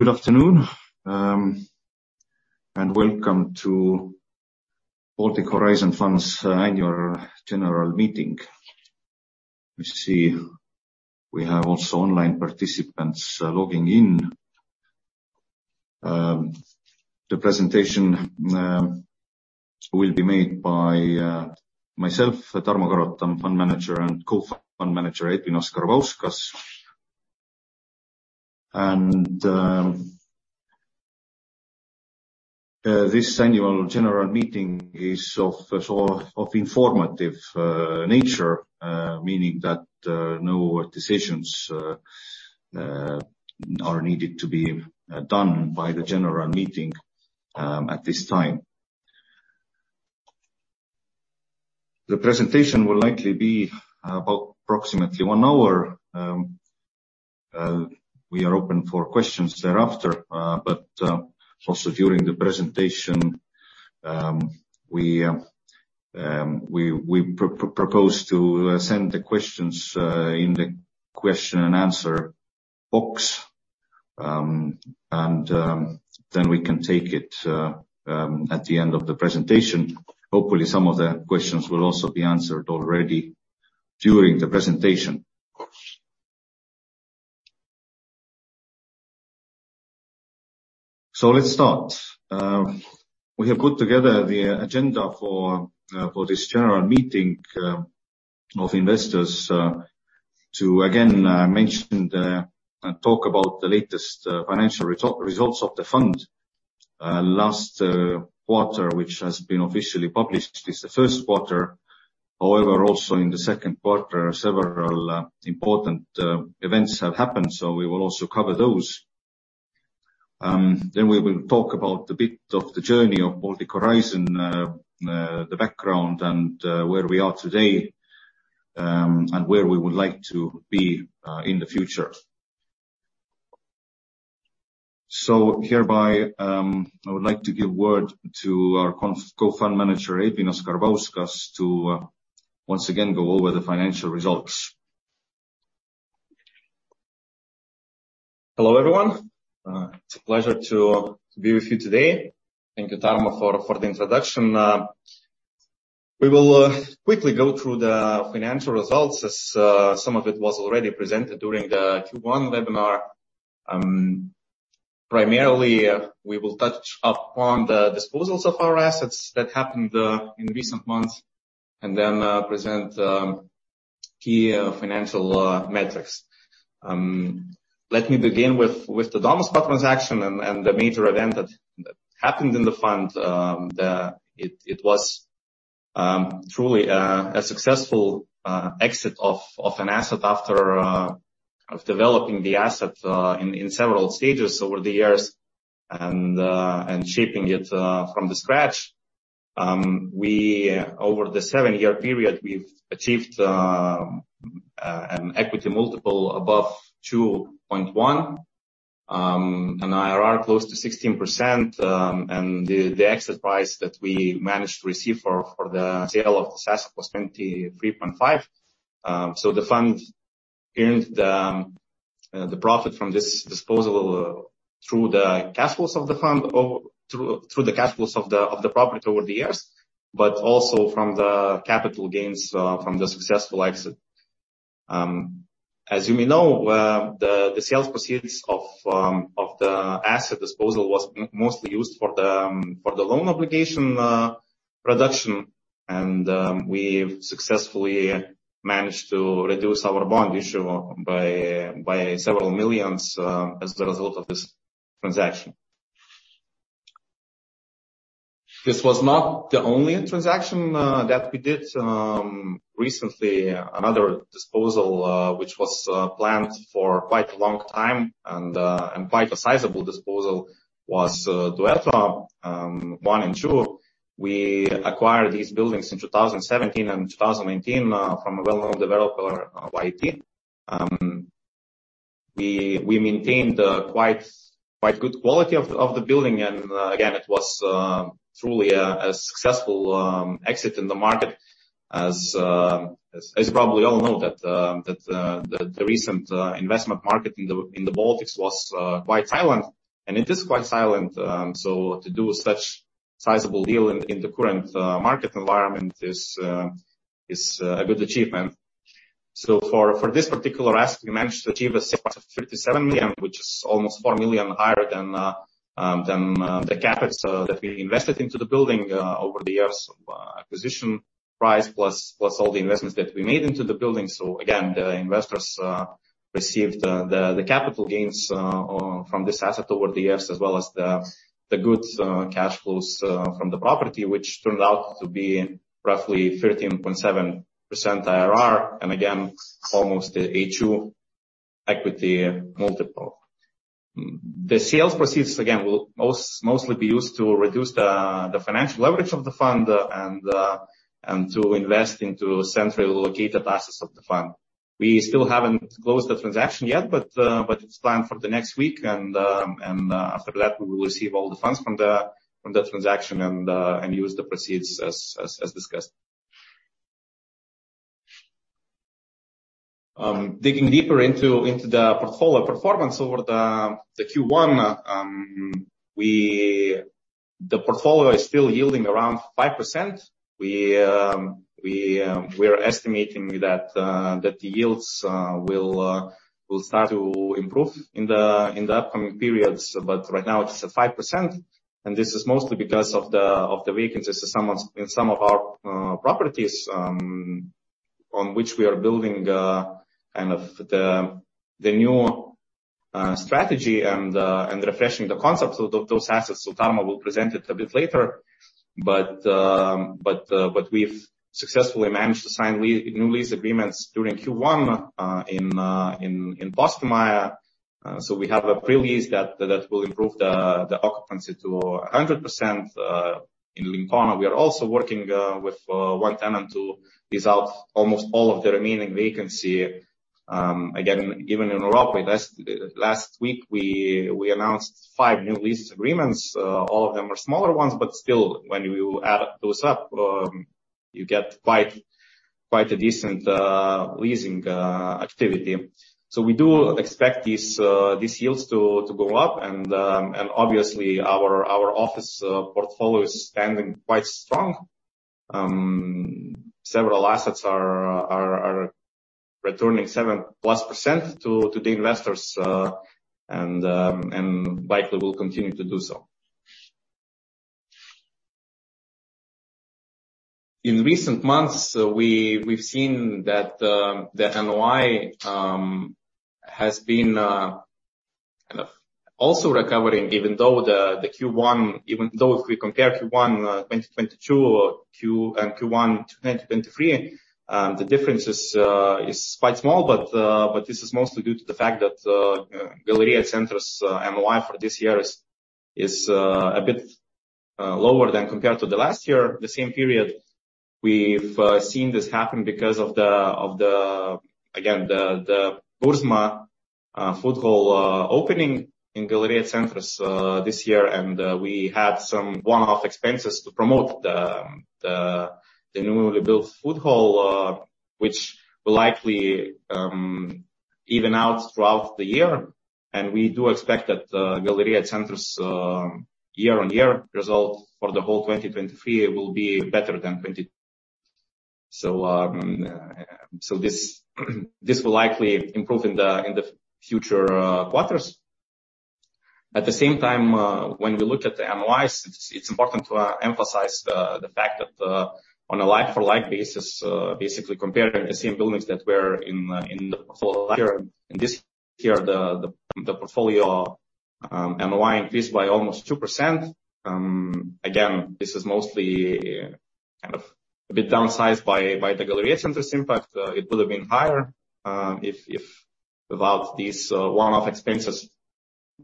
Good afternoon, welcome to Baltic Horizon Fund's Annual General Meeting. I see we have also online participants logging in. The presentation will be made by myself, Tarmo Karotam, Fund Manager, and Co-fund Manager, Edvinas Karbauskas. This Annual General Meeting is of, sort of informative nature, meaning that no decisions are needed to be done by the general meeting at this time. The presentation will likely be about approximately one hour. We are open for questions thereafter, also during the presentation, we propose to send the questions in the question and answer box. We can take it at the end of the presentation. Hopefully, some of the questions will also be answered already during the presentation. Let's start. We have put together the agenda for this general meeting of investors to again talk about the latest financial results of the fund. Last quarter, which has been officially published, is the first quarter. However, also in the second quarter, several important events have happened, so we will also cover those. Then we will talk about the bit of the journey of Baltic Horizon, the background, and where we are today, and where we would like to be in the future. Hereby, I would like to give word to our Co-fund Manager, Edvinas Karbauskas, to once again, go over the financial results. Hello, everyone. It's a pleasure to be with you today. Thank you, Tarmo, for the introduction. We will quickly go through the financial results, as some of it was already presented during the Q1 webinar. Primarily, we will touch upon the disposals of our assets that happened in recent months, and then present key financial metrics. Let me begin with the Domus Pro transaction and the major event that happened in the fund. It was truly a successful exit of an asset after of developing the asset in several stages over the years and shaping it from the scratch. We over the seven-year period, we've achieved an equity multiple above 2.1x, an IRR close to 16%, and the exit price that we managed to receive for the sale of the asset was 23.5 million. The fund earned the profit from this disposal through the cash flows of the fund or through the cash flows of the property over the years, but also from the capital gains from the successful exit. As you may know, the sales proceeds of the asset disposal was mostly used for the loan obligation reduction, and we've successfully managed to reduce our bond issue by several million EUR as the result of this transaction. This was not the only transaction that we did. Recently, another disposal, which was planned for quite a long time and quite a sizable disposal was Duetto 1 and 2. We acquired these buildings in 2017 and 2018 from a well-known developer, YIT. We maintained quite good quality of the building, and again, it was truly a successful exit in the market. As you probably all know, that the recent investment market in the Baltics was quite silent, and it is quite silent. To do such sizable deal in the current market environment is a good achievement. For this particular ask, we managed to achieve a sales of 37 million, which is almost 4 million higher than the CapEx that we invested into the building over the years. Acquisition price plus all the investments that we made into the building. Again, the investors received the capital gains from this asset over the years, as well as the good cash flows from the property, which turned out to be roughly 13.7% IRR, and again, almost a 2x equity multiple. The sales proceeds, again, will mostly be used to reduce the financial leverage of the fund and to invest into centrally located assets of the fund. We still haven't closed the transaction yet, but it's planned for the next week. After that, we will receive all the funds from the transaction and use the proceeds as discussed. Digging deeper into the portfolio performance over the Q1, the portfolio is still yielding around 5%. We are estimating that the yields will start to improve in the upcoming periods. Right now it's at 5%, and this is mostly because of the vacancies in some of our properties, on which we are building kind of the new strategy and refreshing the concept of those assets. Tarmo will present it a bit later. We've successfully managed to sign new lease agreements during Q1 in Postimaja. We have a pre-lease that will improve the occupancy to 100%. In Linnahall, we are also working with one tenant to lease out almost all of the remaining vacancy. Again, given in a row, last week, we announced five new lease agreements. All of them are smaller ones, but still, when you add those up, you get quite a decent leasing activity. We do expect these yields to go up, and obviously our office portfolio is standing quite strong. Several assets are returning 7+% to the investors, and likely will continue to do so. In recent months, we've seen that the NOI has been kind of also recovering, even though the Q1, even though if we compare Q1 2022 and Q1 2023, the difference is quite small. This is mostly due to the fact that Galerija Centrs NOI for this year is a bit lower than compared to the last year, the same period. We've seen this happen because of the BURZMA food hall opening in Galerija Centrs this year, and we had some one-off expenses to promote the newly built food hall, which will likely even out throughout the year. We do expect that Galerija Centrs year-on-year results for the whole 2023 will be better than. This will likely improve in the future quarters. At the same time, when we look at the NOIs, it's important to emphasize the fact that on a like-for-like basis, basically comparing the same buildings that were in this year, the portfolio NOI increased by almost 2%. Again, this is mostly kind of a bit downsized by the Galerija Centrs impact. It would have been higher if without these one-off expenses.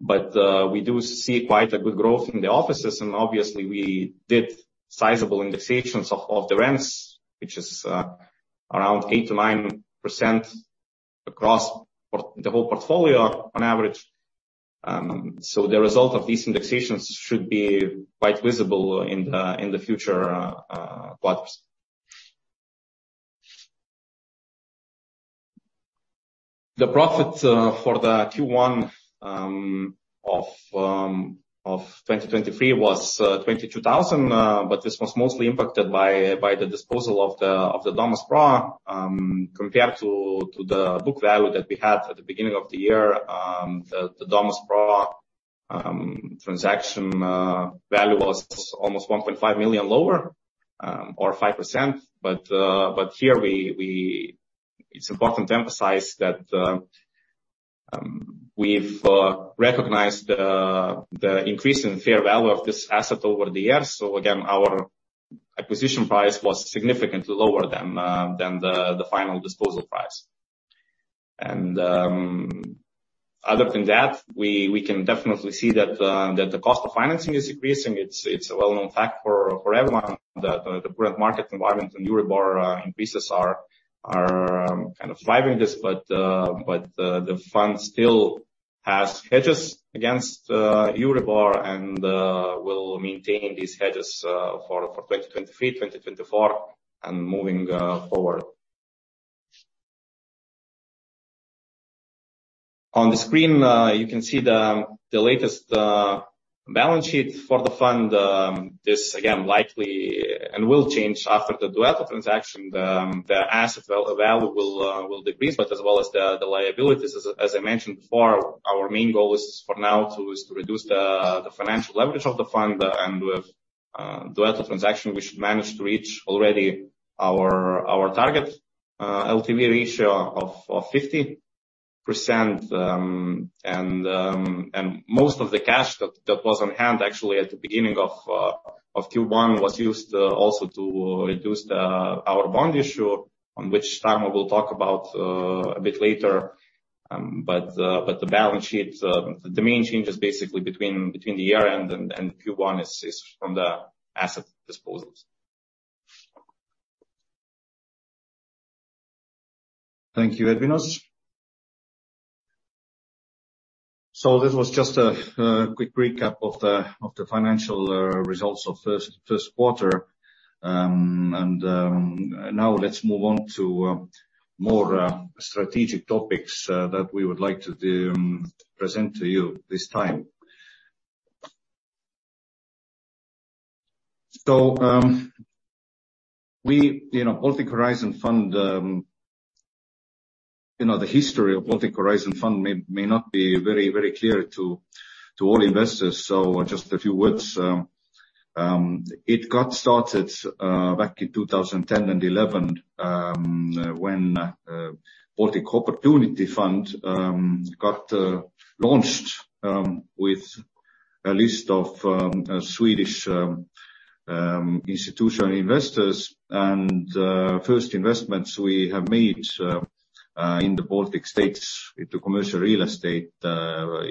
We do see quite a good growth in the offices, and obviously we did sizable indexations of the rents, which is around 8%-9% across the whole portfolio on average. The result of these indexations should be quite visible in the future quarters. The profit for the Q1 of 2023 was 22,000, but this was mostly impacted by the disposal of the Domus Pro. Compared to the book value that we had at the beginning of the year, the Domus Pro transaction value was almost 1.5 million lower, or 5%. Here we, it's important to emphasize that we've recognized the increase in fair value of this asset over the years. Again, our acquisition price was significantly lower than the final disposal price. Other than that, we can definitely see that the cost of financing is increasing. It's a well-known fact for everyone that the current market environment and EURIBOR increases are kind of driving this, but the fund still has hedges against EURIBOR and will maintain these hedges for 2023, 2024, and moving forward. On the screen, you can see the latest balance sheet for the fund. This, again, likely and will change after the Duetto transaction. The asset value will decrease, but as well as the liabilities. As I mentioned before, our main goal is for now to reduce the financial leverage of the fund, and with Duetto transaction, we should manage to reach already our target LTV ratio of 50%. Most of the cash that was on hand actually at the beginning of Q1 was used also to reduce our bond issue, on which Tarmo will talk about a bit later. The balance sheet, the main change is basically between the year-end and Q1 is from the asset disposals. This was just a quick recap of the financial results of first quarter. Now let's move on to more strategic topics that we would like to present to you this time. You know, Baltic Horizon Fund, you know, the history of Baltic Horizon Fund may not be very clear to all investors, so just a few words. It got started back in 2010 and 2011, when Baltic Opportunity Fund got launched with a list of Swedish institutional investors. First investments we have made in the Baltic States into commercial real estate are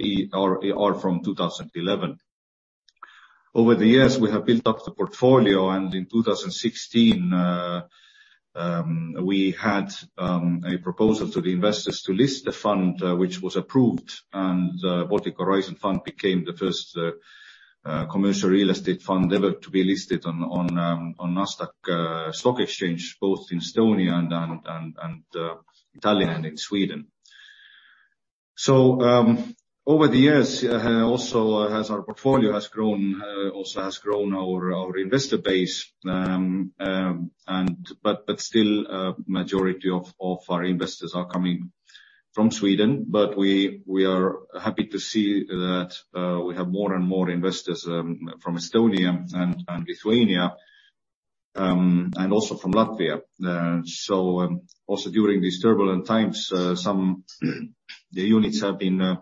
from 2011. Over the years, we have built up the portfolio, in 2016, we had a proposal to the investors to list the fund, which was approved. Baltic Horizon Fund became the first commercial real estate fund ever to be listed on Nasdaq Stock Exchange, both in Estonia and Tallinn and in Sweden. Over the years, also as our portfolio has grown, also has grown our investor base. But still, majority of our investors are coming from Sweden, but we are happy to see that we have more and more investors from Estonia and Lithuania, and also from Latvia. Also during these turbulent times, some the units have been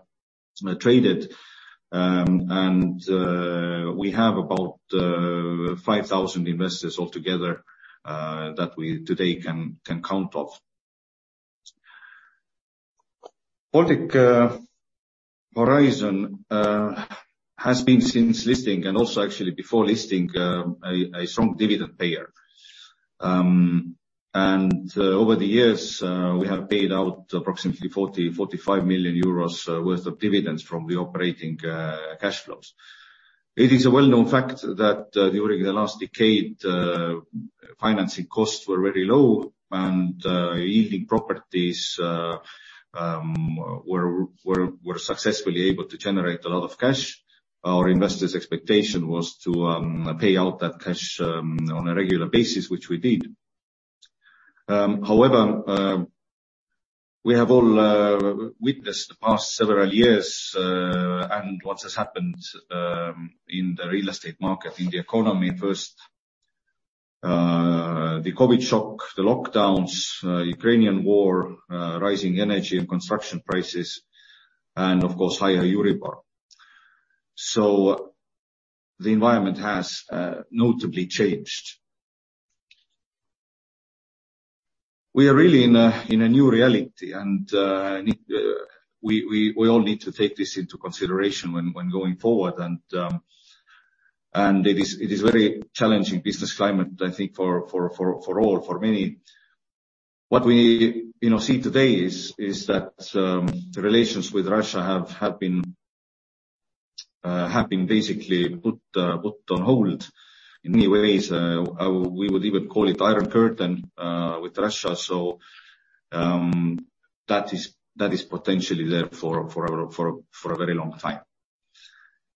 traded, and we have about 5,000 investors altogether that we today can count of. Baltic Horizon has been since listing and also actually before listing, a strong dividend payer. Over the years, we have paid out approximately 40 million-45 million euros worth of dividends from the operating cash flows. It is a well-known fact that during the last decade, financing costs were very low and yielding properties were successfully able to generate a lot of cash. Our investors' expectation was to pay out that cash on a regular basis, which we did. However, we have all witnessed the past several years, and what has happened in the real estate market, in the economy. First, the COVID shock, the lockdowns, Ukrainian war, rising energy and construction prices, and of course, higher Euribor. The environment has notably changed. We are really in a new reality, and we all need to take this into consideration when going forward. And it is very challenging business climate, I think, for all, for many. What we you know see today is that the relations with Russia have been basically put on hold in many ways. We would even call it Iron Curtain with Russia. That is, that is potentially there for a very long time.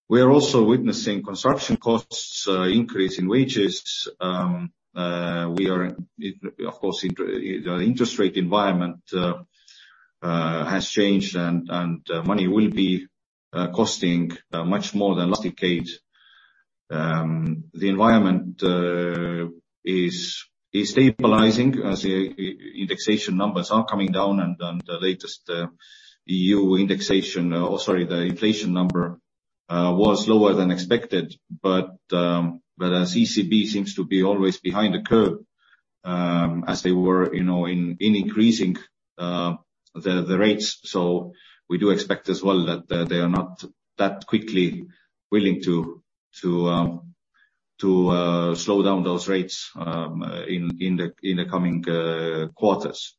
We are also witnessing construction costs, increase in wages. We are, of course, the interest rate environment has changed, and money will be costing much more than last decade. The environment is stabilizing as the indexation numbers are coming down, and the latest EU indexation, or sorry, the inflation number was lower than expected. But as ECB seems to be always behind the curve, as they were, you know, in increasing the rates. We do expect as well that they are not that quickly willing to slow down those rates in the coming quarters.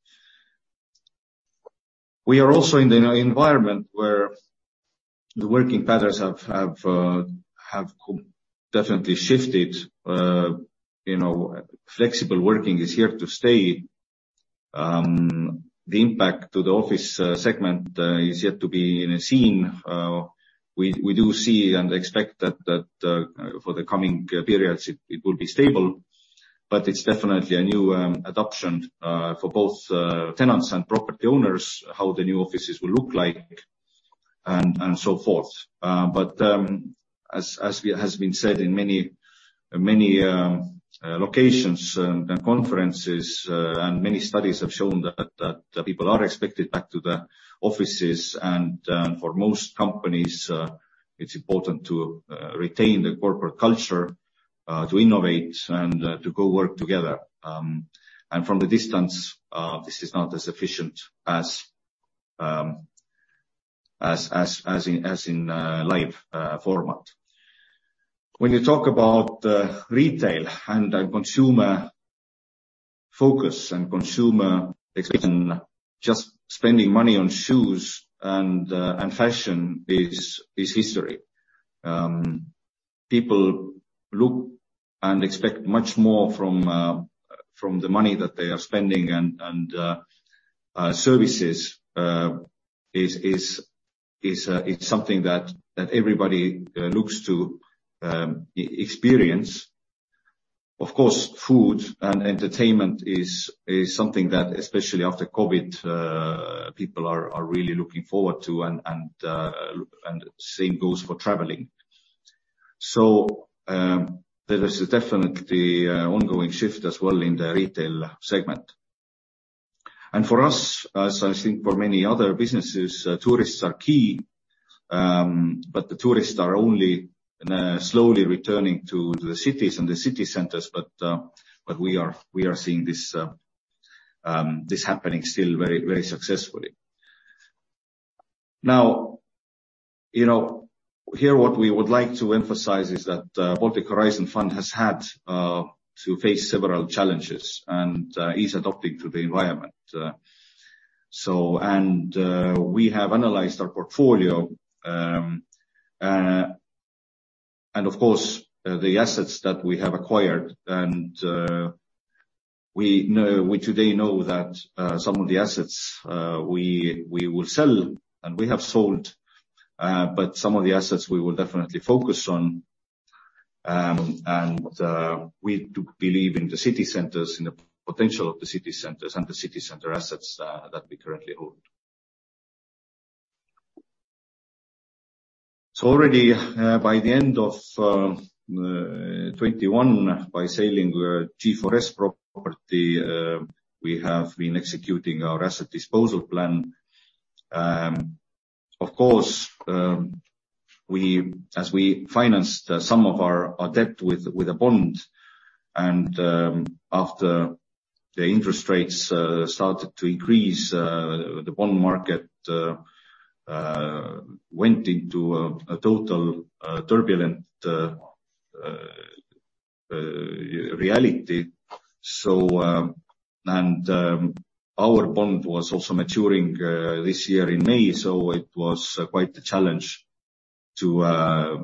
We are also in the environment where the working patterns have definitely shifted. You know, flexible working is here to stay. The impact to the office segment is yet to be seen. We do see and expect that for the coming periods, it will be stable, but it's definitely a new adoption for both tenants and property owners, how the new offices will look like and so forth. But as it has been said in many locations and conferences, and many studies have shown that people are expected back to the offices. For most companies, it's important to retain the corporate culture, to innovate and to go work together. From a distance, this is not as efficient as live format. When you talk about retail and consumer focus and consumer expectation, just spending money on shoes and fashion is history. People look and expect much more from the money that they are spending, and services is something that everybody looks to e-experience. Of course, food and entertainment is something that, especially after COVID, people are really looking forward to, same goes for traveling. There is definitely an ongoing shift as well in the retail segment. For us, as I think for many other businesses, tourists are key. The tourists are only slowly returning to the cities and the city centers, but we are, we are seeing this happening still very, very successfully. Now, you know, here, what we would like to emphasize is that Baltic Horizon Fund has had to face several challenges and is adapting to the environment. We have analyzed our portfolio and of course, the assets that we have acquired, and we today know that some of the assets we will sell and we have sold, but some of the assets we will definitely focus on. We do believe in the city centers, in the potential of the city centers and the city center assets that we currently hold. Already, by the end of 2021, by selling G4S property, we have been executing our asset disposal plan. Of course, as we financed some of our debt with a bond, and after the interest rates started to increase, the bond market went into a total turbulent reality. And our bond was also maturing this year in May, so it was quite a challenge to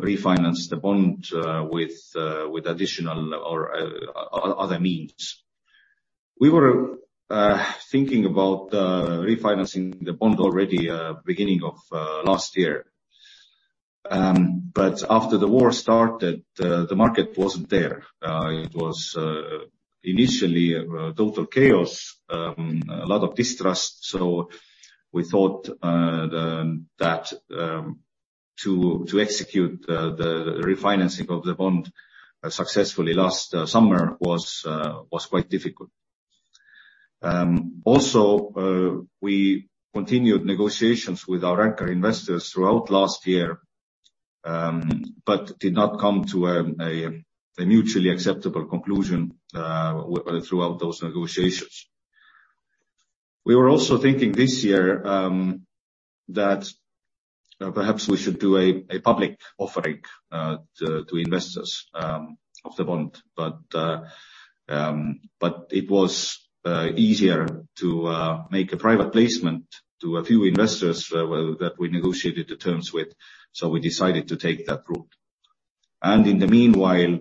refinance the bond with additional or other means. We were thinking about refinancing the bond already beginning of last year. But after the war started, the market wasn't there. It was initially total chaos, a lot of distrust. We thought that to execute the refinancing of the bond successfully last summer was quite difficult. Also, we continued negotiations with our anchor investors throughout last year, but did not come to a mutually acceptable conclusion throughout those negotiations. We were also thinking this year that perhaps we should do a public offering to investors of the bond. It was easier to make a private placement to a few investors, well, that we negotiated the terms with, so we decided to take that route. In the meanwhile,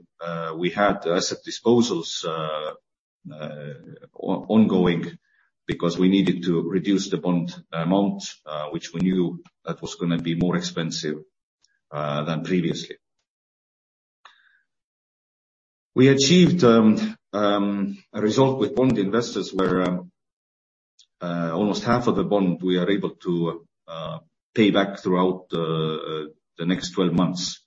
we had asset disposals ongoing because we needed to reduce the bond amount, which we knew that was going to be more expensive than previously. We achieved a result with bond investors where almost half of the bond we are able to pay back throughout the next 12 months.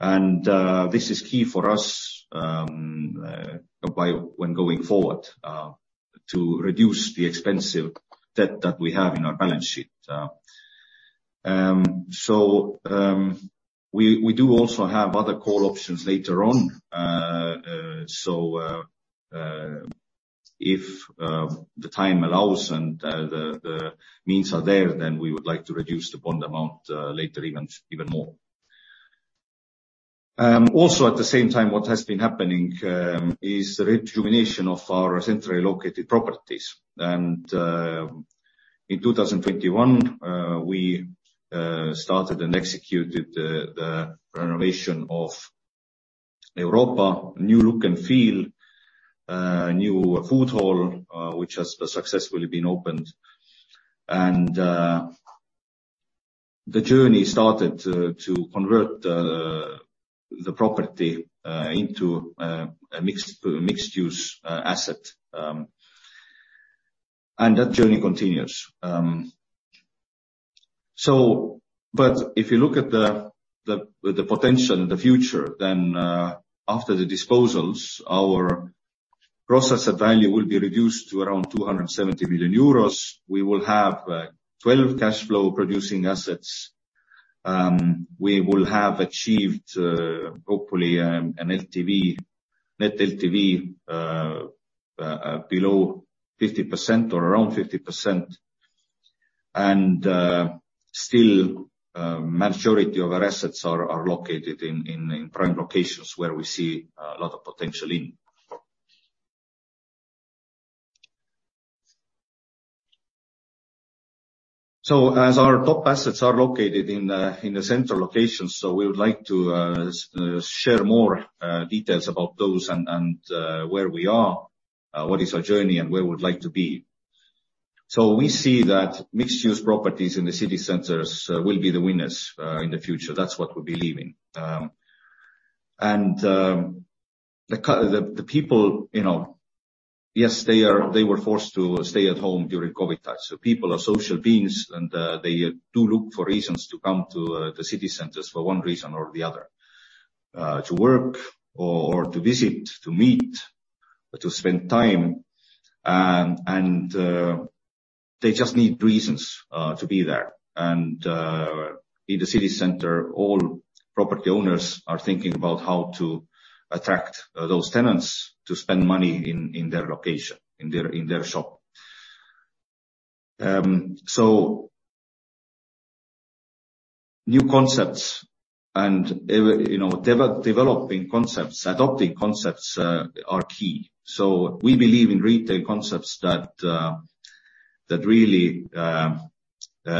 This is key for us by when going forward to reduce the expensive debt that we have in our balance sheet. We do also have other call options later on. If the time allows and the means are there, then we would like to reduce the bond amount later even more. Also at the same time, what has been happening is rejuvenation of our centrally located properties. In 2021, we started and executed the renovation of Europa, new look and feel, new food hall, which has successfully been opened. The journey started to convert the property into a mixed-use asset. That journey continues. If you look at the potential in the future, after the disposals, our processor value will be reduced to around 270 million euros. We will have 12 cashflow producing assets. We will have achieved, hopefully, an LTV, net LTV, below 50% or around 50%. Still, majority of our assets are located in prime locations where we see a lot of potential in. As our top assets are located in the central location, we would like to share more details about those and where we are, what is our journey, and where we would like to be. We see that mixed-use properties in the city centers will be the winners in the future. That's what we believe in. And the people, you know, yes, they were forced to stay at home during COVID times. People are social beings, and they do look for reasons to come to the city centers for one reason or the other. To work or to visit, to meet, or to spend time. And they just need reasons to be there. In the city center, all property owners are thinking about how to attract those tenants to spend money in their location, in their shop. New concepts and you know, developing concepts, adopting concepts are key. We believe in retail concepts that really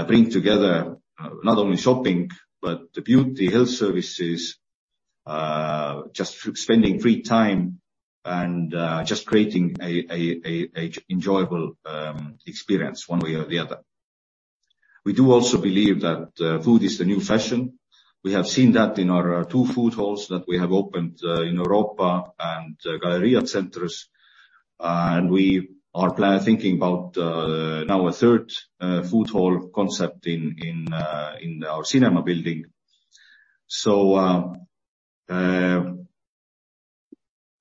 bring together not only shopping, but the beauty, health services, just spending free time and just creating an enjoyable experience one way or the other. We do also believe that food is the new fashion. We have seen that in our two food halls that we have opened in Europa and Galerija Centrs. We are thinking about now a third food hall concept in our cinema building.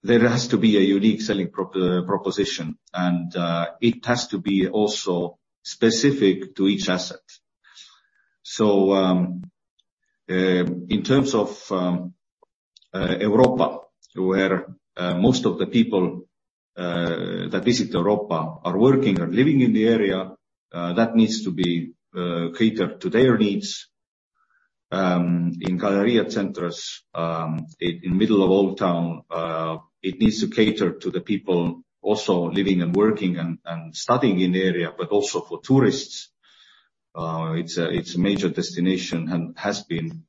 There has to be a unique selling proposition, it has to be also specific to each asset. In terms of Europa, where most of the people that visit Europa are working or living in the area, that needs to be catered to their needs. In Galerija Centrs, in middle of Old Town, it needs to cater to the people also living and working and studying in the area, but also for tourists. It's a major destination and has been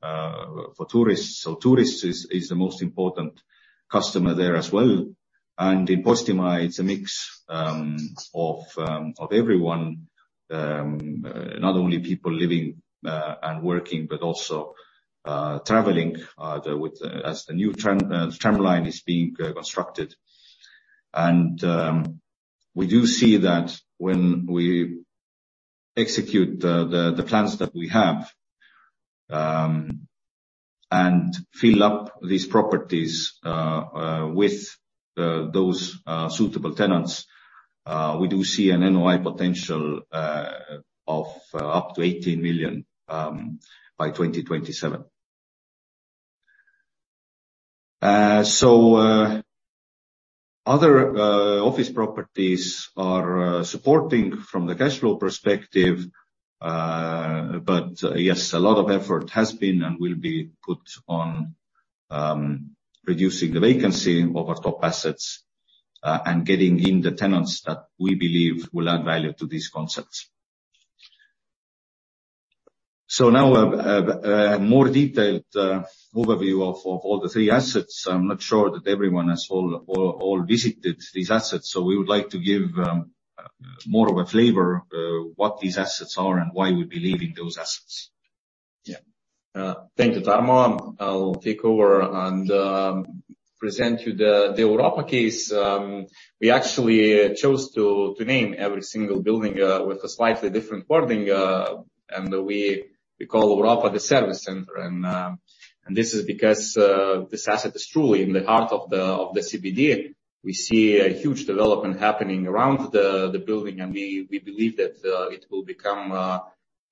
for tourists. Tourists is the most important customer there as well. In Postimaja, it's a mix of everyone, not only people living and working, but also traveling the with. As the new tramline is being constructed. We do see that when we execute the plans that we have and fill up these properties with those suitable tenants, we do see an NOI potential of up to 18 million by 2027. Other office properties are supporting from the cash flow perspective. Yes, a lot of effort has been and will be put on reducing the vacancy of our top assets and getting in the tenants that we believe will add value to these concepts. Now a more detailed overview of all the three assets. I'm not sure that everyone has all visited these assets, so we would like to give more of a flavor, what these assets are and why we believe in those assets. Yeah. Thank you, Tarmo. I'll take over and present you the Europa case. We actually chose to name every single building with a slightly different wording, and we call Europa the service center. This is because this asset is truly in the heart of the CBD. We see a huge development happening around the building, and we believe that it will become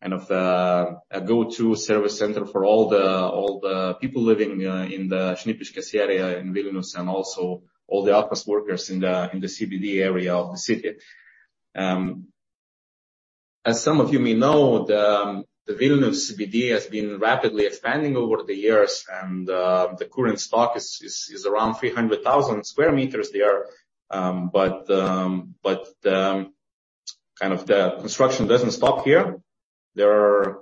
kind of the a go-to service center for all the people living in the Šnipiškės area, in Vilnius, and also all the office workers in the CBD area of the city. As some of you may know, the Vilnius CBD has been rapidly expanding over the years, and the current stock is around 300,000 square meters there. Kind of the construction doesn't stop here. There are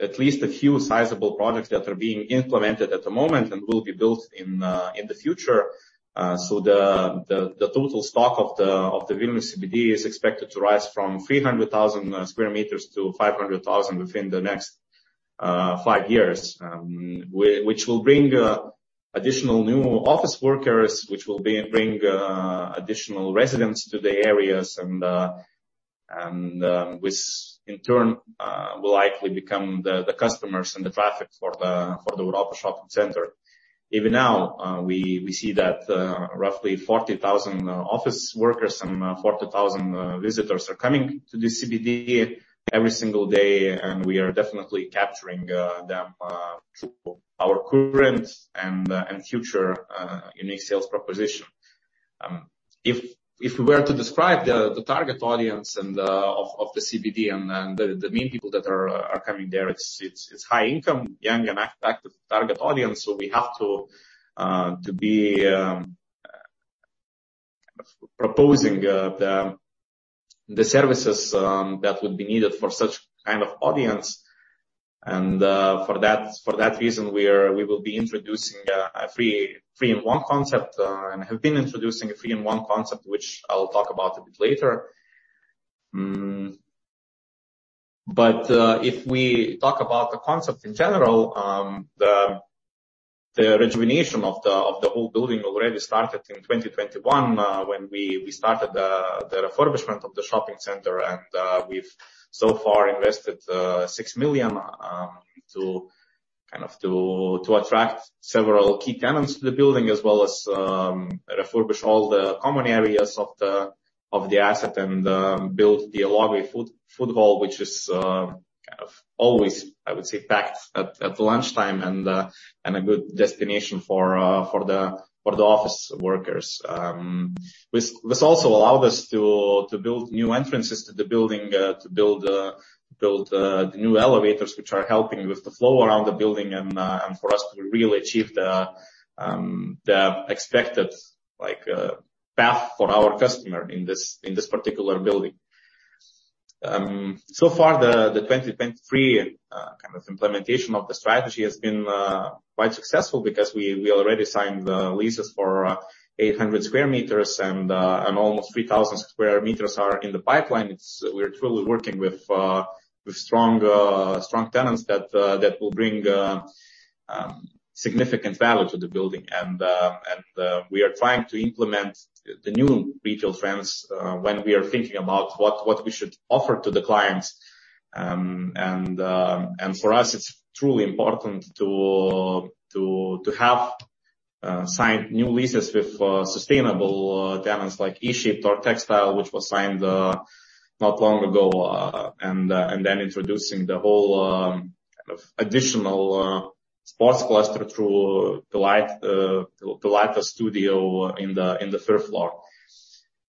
at least a few sizable projects that are being implemented at the moment and will be built in the future. The total stock of the Vilnius CBD is expected to rise from 300,000 square meters to 500,000 within the next five years. Which will bring additional new office workers, which will bring additional residents to the areas, and which in turn will likely become the customers and the traffic for the Europa Shopping Center. Even now, we see that roughly 40,000 office workers and 40,000 visitors are coming to the CBD every single day, and we are definitely capturing them through our current and future unique sales proposition. If we were to describe the target audience and the CBD and the main people that are coming there, it's high income, young and active target audience. We have to be proposing the services that would be needed for such kind of audience. For that reason, we will be introducing a three-in-one concept and have been introducing a three-in-one concept, which I'll talk about a bit later. If we talk about the concept in general, the rejuvenation of the whole building already started in 2021, when we started the refurbishment of the shopping center. We've so far invested 6 million to kind of to attract several key tenants to the building, as well as refurbish all the common areas of the asset and build the Dialogai Food Hall, which is kind of always, I would say, packed at lunchtime and a good destination for the office workers. Allowed us to build new entrances to the building, to build new elevators, which are helping with the flow around the building, and for us to really achieve the expected path for our customer in this particular building. So far, the 2023 kind of implementation of the strategy has been quite successful because we already signed the leases for 800 sq m, and almost 3,000 sq m are in the pipeline. We're truly working with strong tenants that will bring significant value to the building. We are trying to implement the new retail trends when we are thinking about what we should offer to the clients. For us, it's truly important to sign new leases with sustainable tenants like E-Shaped or Textile, which was signed not long ago, and then introducing the whole kind of additional sports cluster through the lighter studio in the third floor.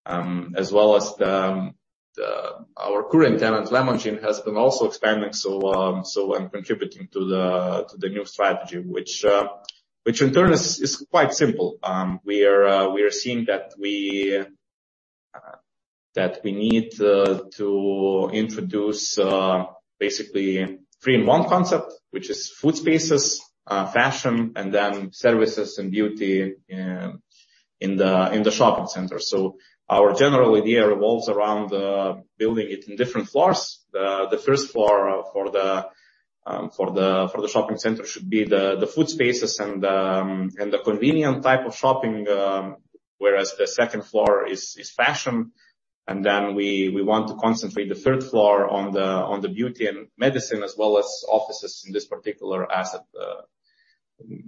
As well as our current tenant, Lemon Gym, has been also expanding, when contributing to the new strategy, which in turn is quite simple. We are seeing that we need to introduce basically, 3-in-1 concept, which is food spaces, fashion, and then services and beauty in the shopping center. Our general idea revolves around building it in different floors. The first floor for the shopping center should be the food spaces and the convenient type of shopping, whereas the second floor is fashion. We want to concentrate the third floor on the beauty and medicine, as well as offices in this particular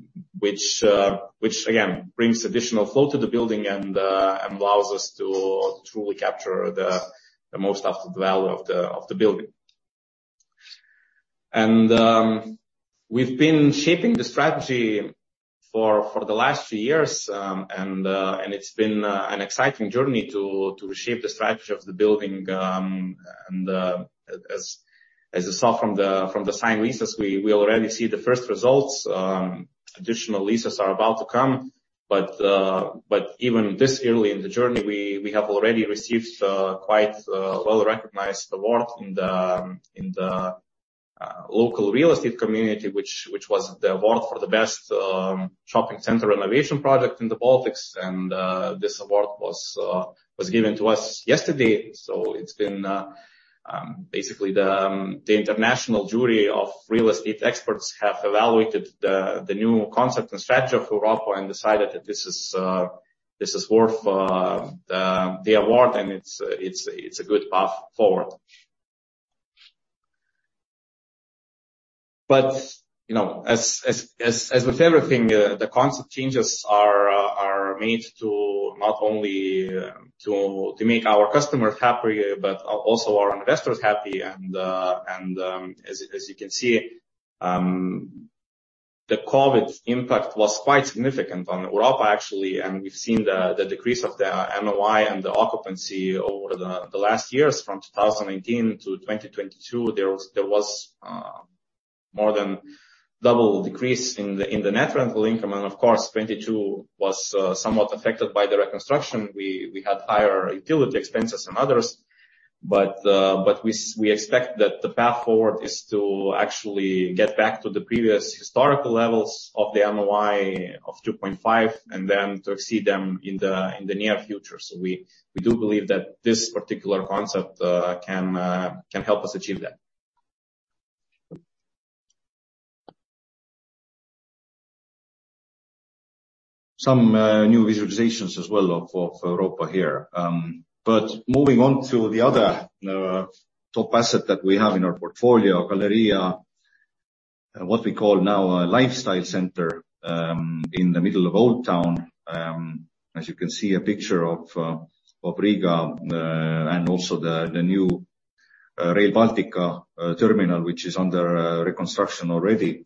asset, which again, brings additional flow to the building and allows us to truly capture the most of the value of the building. We've been shaping the strategy for the last few years, and it's been an exciting journey to shape the strategy of the building. As you saw from the signed leases, we already see the first results. Additional leases are about to come, but even this early in the journey, we have already received quite a well-recognized award in the local real estate community, which was the award for the best shopping center renovation project in the Baltics. This award was given to us yesterday. It's been basically, the international jury of real estate experts have evaluated the new concept and strategy for Europa and decided that this is worth the award, and it's a good path forward. You know, as with everything, the concept changes are made to not only to make our customers happy, but also our investors happy. As you can see, the COVID impact was quite significant on Europa, actually, and we've seen the decrease of the NOI and the occupancy over the last years. From 2018 to 2022, there was more than double decrease in the net rental income. Of course, 2022 was somewhat affected by the reconstruction. We had higher utility expenses and others, but we expect that the path forward is to actually get back to the previous historical levels of the NOI of 2.5, and then to exceed them in the near future. We do believe that this particular concept can help us achieve that. Some new visualizations as well of Europa here. Moving on to the other top asset that we have in our portfolio, Galerija, what we call now a lifestyle center, in the middle of Old Town. As you can see, a picture of Riga, and also the new- Rail Baltica terminal, which is under reconstruction already.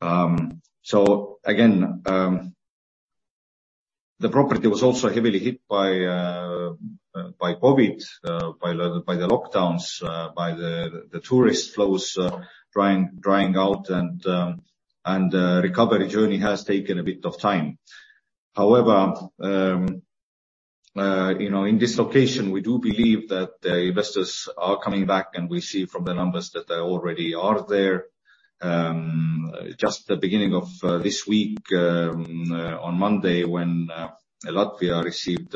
Again, the property was also heavily hit by COVID, by the lockdowns, by the tourist flows drying out, and recovery journey has taken a bit of time. However, you know, in this location, we do believe that the investors are coming back, and we see from the numbers that they already are there. Just the beginning of this week, on Monday, when Latvia received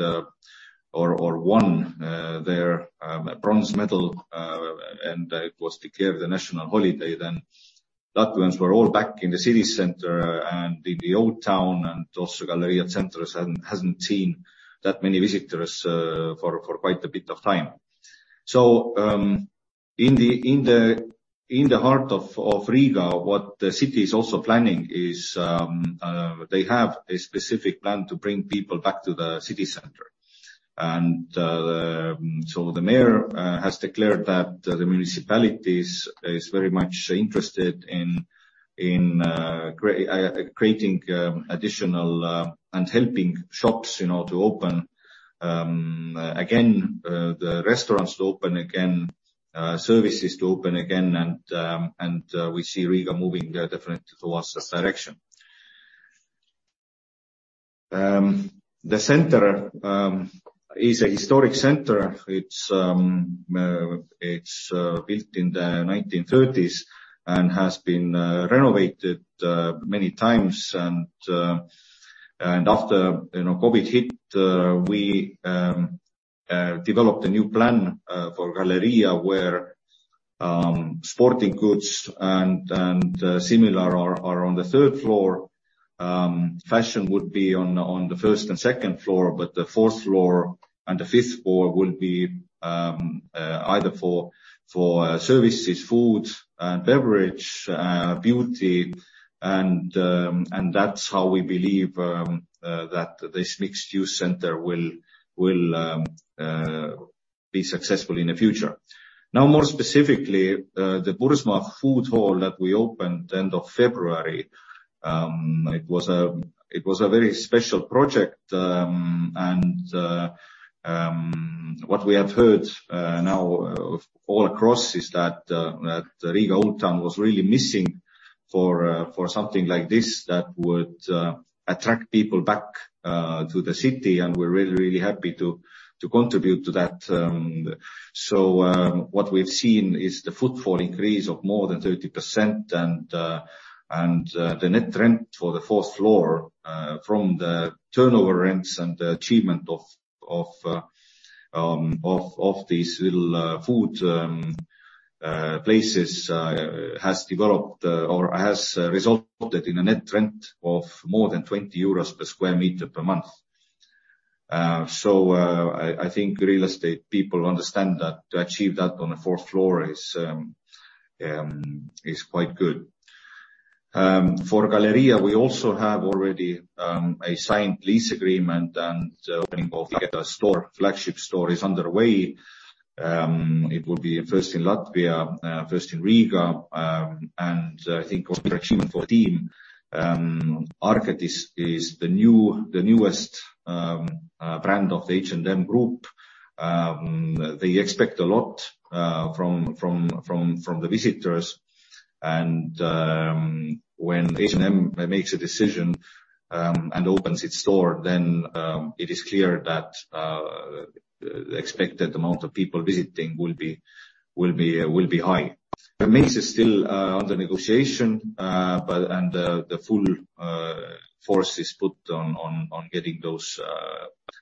or won their bronze medal, and it was declared a national holiday, Latvians were all back in the city center and in the old town, and also Galerija Centrs hasn't seen that many visitors for quite a bit of time. In the, in the, in the heart of Riga, what the city is also planning is, they have a specific plan to bring people back to the city center. The mayor has declared that the municipalities is very much interested in creating additional, and helping shops, you know, to open again, the restaurants to open again, services to open again, and, we see Riga moving definitely towards this direction. The center is a historic center. It's built in the 1930s and has been renovated many times. After, you know, COVID hit, we developed a new plan for Galerija, where sporting goods and similar are on the 3rd floor. Fashion would be on the 1st and 2nd floor, but the 4th floor and the 5th floor will be either for services, food, and beverage, beauty. That's how we believe that this mixed-use center will be successful in the future. More specifically, the BURZMA food hall that we opened end of February, it was a very special project, and what we have heard now all across is that Riga Old Town was really missing for something like this that would attract people back to the city, and we're really, really happy to contribute to that. What we've seen is the footfall increase of more than 30%, and the net rent for the fourth floor, from the turnover rents and the achievement of these little food places, has developed or has resulted in a net rent of more than 20 euros per square meter per month. I think real estate people understand that to achieve that on a fourth floor is quite good. For Galerija, we also have already a signed lease agreement, opening both store, flagship store is underway. It will be first in Latvia, first in Riga, I think construction for team ARKET is the new, the newest brand of the H&M Group. They expect a lot from the visitors when H&M makes a decision and opens its store, it is clear that the expected amount of people visiting will be high. The maze is still under negotiation, but and the full force is put on getting those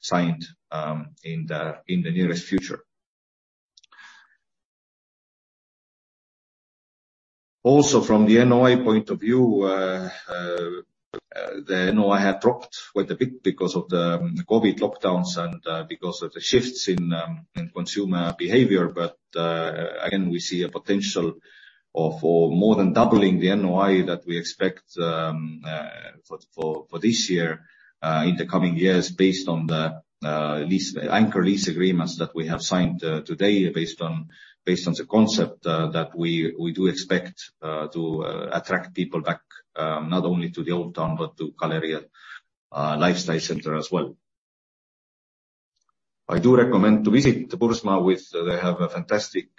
signed in the nearest future. Also, from the NOI point of view, the NOI had dropped quite a bit because of the COVID lockdowns and because of the shifts in consumer behavior. Again, we see a potential of for more than doubling the NOI that we expect for this year in the coming years, based on the lease, anchor lease agreements that we have signed today, based on the concept that we do expect to attract people back not only to the Old Town, but to Galerija lifestyle center as well. I do recommend to visit the BURZMA with, they have a fantastic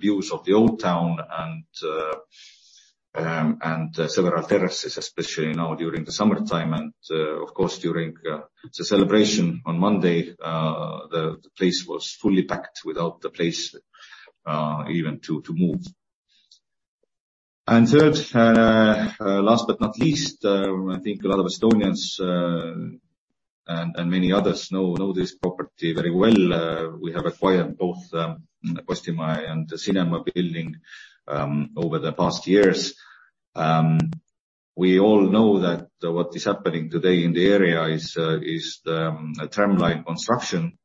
views of the Old Town and several terraces, especially now during the summertime, and of course, during the celebration on Monday, the place was fully packed without the place even to move. Third, last but not least, I think a lot of Estonians and many others know this property very well. We have acquired both Postimaja and the cinema building over the past years. We all know that what is happening today in the area is the tramline construction.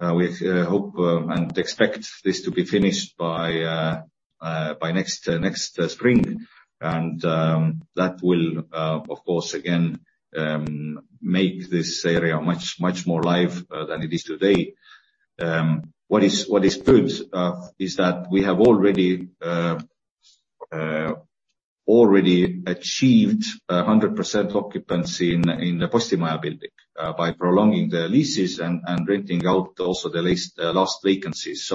We hope and expect this to be finished by next spring. That will, of course, again, make this area much, much more live than it is today. What is good is that we have already achieved 100% occupancy in the Postimaja building by prolonging the leases and renting out also the last vacancies.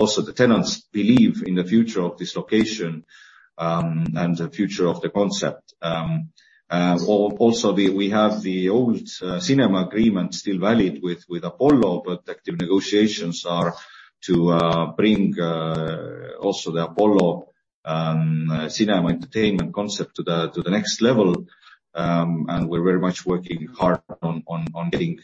Also the tenants believe in the future of this location and the future of the concept. Also, we have the old cinema agreement still valid with Apollo, active negotiations are to bring also the Apollo cinema entertainment concept to the next level. We're very much working hard on getting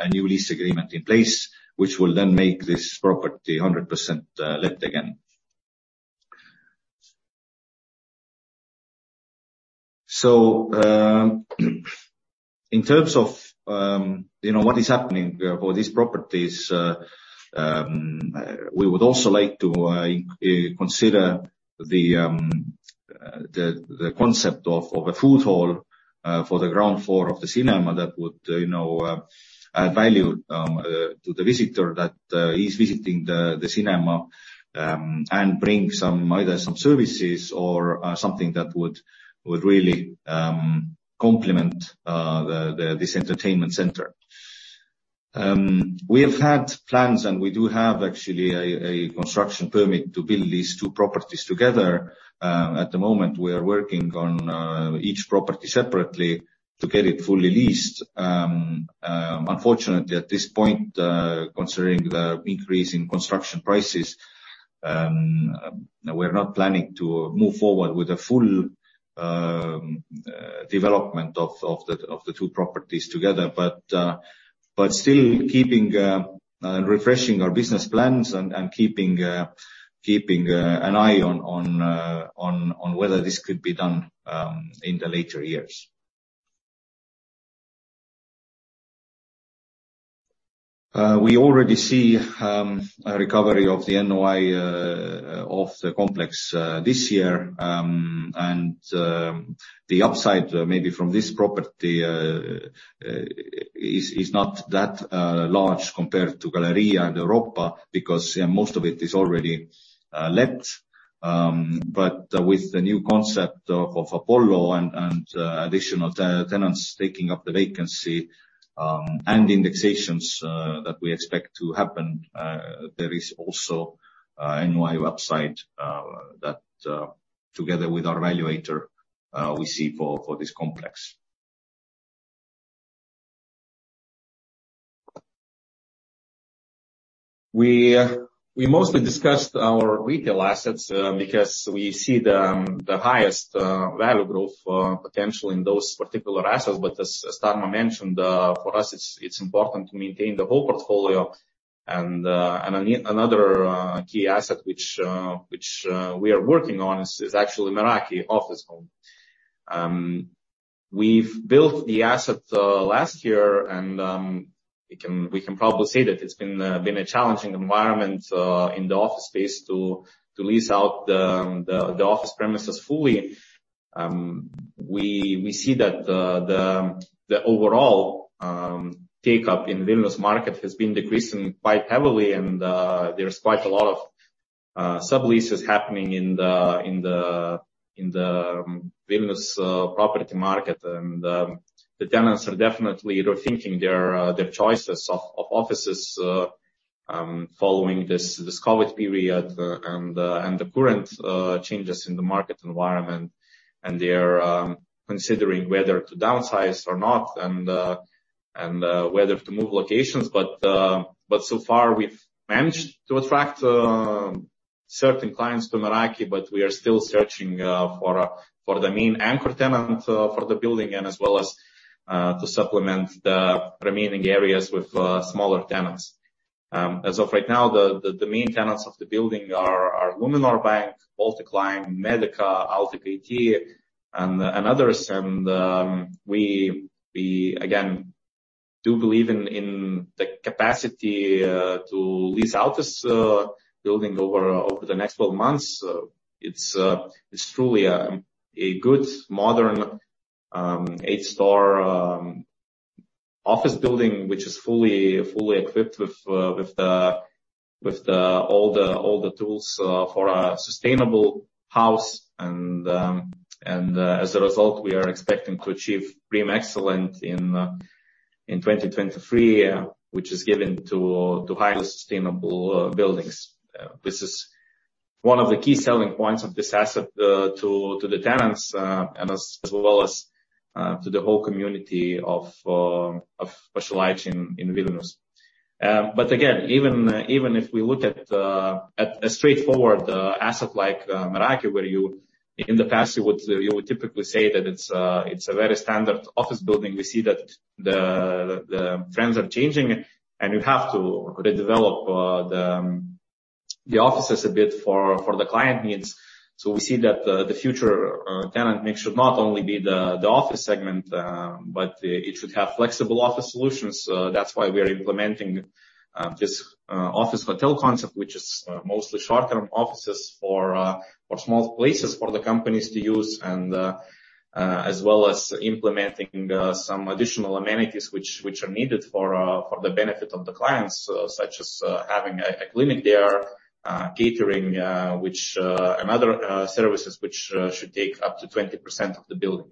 a new lease agreement in place, which will then make this property 100% let again. In terms of, you know, what is happening for these properties, we would also like to consider the concept of a food hall for the ground floor of the cinema that would, you know, add value to the visitor that is visiting the cinema and bring either some services or something that would really complement this entertainment center. We have had plans, and we do have actually a construction permit to build these two properties together. At the moment, we are working on each property separately to get it fully leased. Unfortunately, at this point, considering the increase in construction prices, we're not planning to move forward with a full development of the two properties together. Still keeping and refreshing our business plans and keeping an eye on whether this could be done in the later years. We already see a recovery of the NOI of the complex this year. The upside maybe from this property is not that large compared to Galerija and Europa, because, yeah, most of it is already let. With the new concept of Apollo and additional tenants taking up the vacancy, and indexations that we expect to happen, there is also a NOI upside that together with our evaluator, we see for this complex. We mostly discussed our retail assets because we see the highest value growth potential in those particular assets. As Tarmo mentioned, for us, it's important to maintain the whole portfolio. Another key asset we are working on is actually Meraki Business Home. We've built the asset last year, we can probably say that it's been a challenging environment in the office space to lease out the office premises fully. We see that the overall take-up in Vilnius market has been decreasing quite heavily, there's quite a lot of subleases happening in the Vilnius property market. The tenants are definitely rethinking their choices of offices following this COVID period and the current changes in the market environment. They are considering whether to downsize or not and whether to move locations. So far, we've managed to attract certain clients to Meraki, but we are still searching for the main anchor tenant for the building, as well as to supplement the remaining areas with smaller tenants. As of right now, the main tenants of the building are Luminor Bank, Baltic Line, Medica, Altic, and others. We again do believe in the capacity to lease out this building over the next 12 months. It's truly a good, modern, 8-star office building, which is fully equipped with all the tools for a sustainable house. As a result, we are expecting to achieve BREEAM excellent in 2023, which is given to highly sustainable buildings. This is one of the key selling points of this asset to the tenants and as well as to the whole community of specialists in Vilnius. Again, even if we look at a straightforward asset like Meraki, where you, in the past, typically say that it's a very standard office building. We see that the trends are changing, and you have to redevelop the offices a bit for the client needs. We see that the future tenant mix should not only be the office segment, but it should have flexible office solutions. That's why we are implementing. This office hotel concept, which is mostly short-term offices for small places for the companies to use, and as well as implementing some additional amenities which are needed for the benefit of the clients, such as having a clinic there, catering, and other services which should take up to 20% of the building.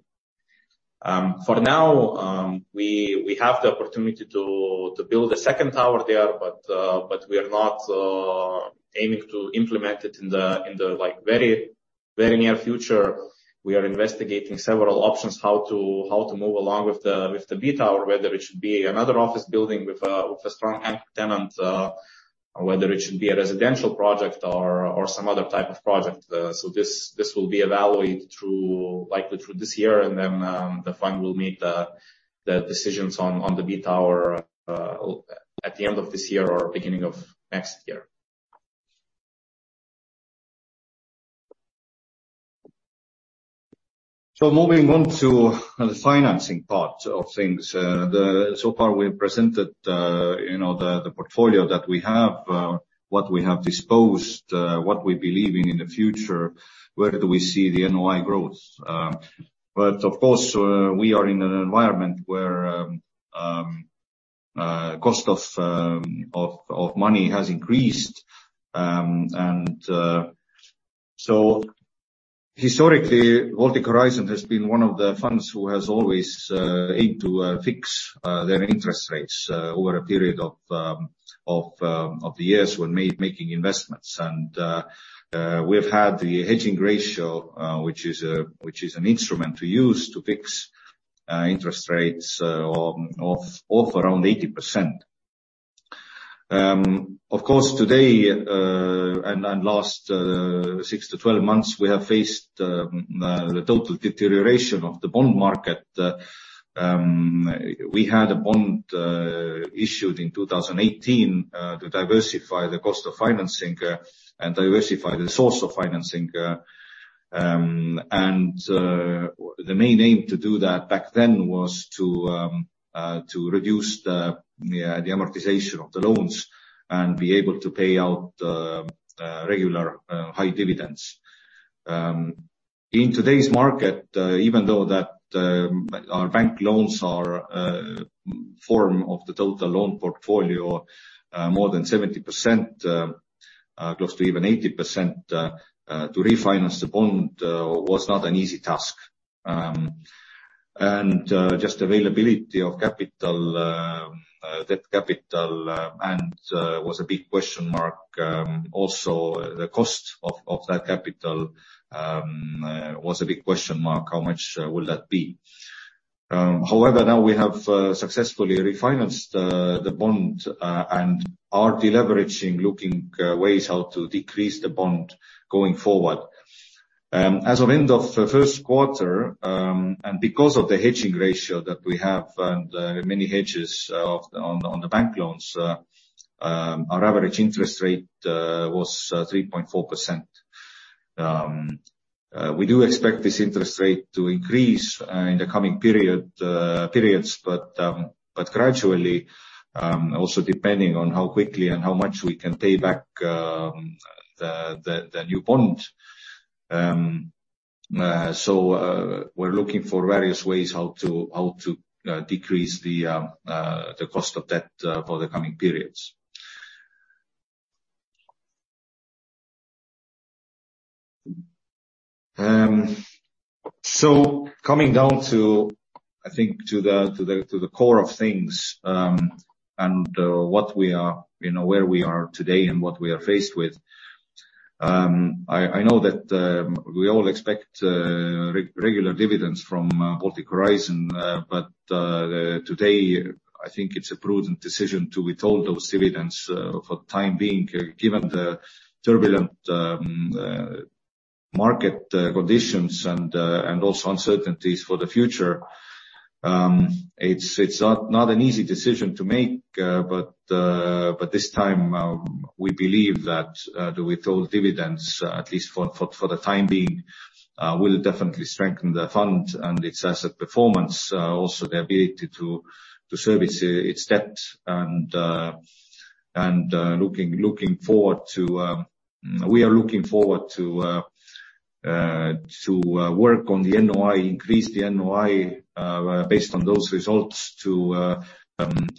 For now, we have the opportunity to build a second tower there, but we are not aiming to implement it in the like very near future. We are investigating several options how to move along with the B tower, whether it should be another office building with a strong anchor tenant, or whether it should be a residential project or some other type of project. This will be evaluated through, likely through this year, and then the fund will make the decisions on the B tower at the end of this year or beginning of next year. Moving on to the financing part of things. So far, we have presented, you know, the portfolio that we have, what we have disposed, what we believe in in the future, where do we see the NOI growth? Of course, we are in an environment where cost of money has increased. Historically, Baltic Horizon has been one of the funds who has always aimed to fix their interest rates over a period of the years when making investments. We've had the hedging ratio, which is an instrument we use to fix interest rates of around 80%. Of course, today, and last six to 12 months, we have faced the total deterioration of the bond market. We had a bond issued in 2018 to diversify the cost of financing and diversify the source of financing. The main aim to do that back then was to reduce the amortization of the loans and be able to pay out regular high dividends. In today's market, even though our bank loans are form of the total loan portfolio, more than 70%, close to even 80%, to refinance the bond was not an easy task. Just availability of capital, debt capital, was a big question mark. Also, the cost of that capital was a big question mark, how much will that be? However, now we have successfully refinanced the bond and are deleveraging, looking ways how to decrease the bond going forward. As of end of the first quarter, and because of the hedging ratio that we have and many hedges on the bank loans, our average interest rate was 3.4%. We do expect this interest rate to increase in the coming periods, but gradually, also depending on how quickly and how much we can pay back the new bond. We're looking for various ways how to decrease the cost of debt for the coming periods. Coming down to the core of things, and what we are, you know, where we are today and what we are faced with. I know that we all expect regular dividends from Baltic Horizon, but today, I think it's a prudent decision to withhold those dividends for the time being, given the turbulent market conditions and also uncertainties for the future. It's not an easy decision to make, but this time, we believe that to withhold dividends, at least for the time being, will definitely strengthen the fund and its asset performance, also the ability to service its debt. Looking forward to... We are looking forward to work on the NOI, increase the NOI, based on those results, to